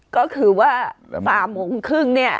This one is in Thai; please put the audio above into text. ก็คือว่า๓โมงครึ่งเนี่ย